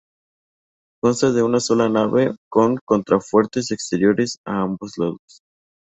Consta de una sola nave con contrafuertes exteriores a ambos lados.